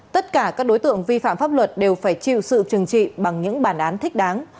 tất cả các đối tượng vi phạm pháp luật đều phải chịu sự trừng trị bằng những bản án thích đáng